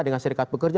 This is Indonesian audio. dengan sedekat pekerja